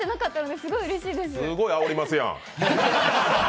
すごいあおりますやん。